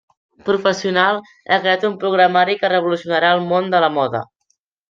Professional, ha creat un programari que revolucionarà el món de la moda.